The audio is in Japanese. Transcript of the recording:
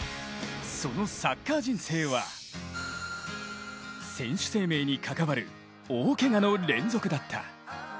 そのサッカー人生は選手生命に関わる大けがの連続だった。